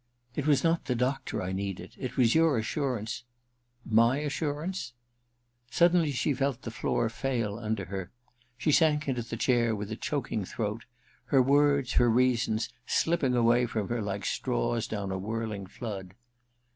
* It was not the doctor I needed ; it was your assurance My assurance ?' Suddenly she felt the floor fail under her. She sank into the chair with a choking throat, her words, her reasons slipping away from her like straws down a whirling flood.